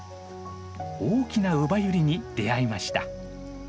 大きなウバユリに出会いました。